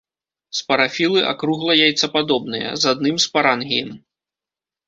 Спарафілы акругла-яйцападобныя, з адным спарангіем.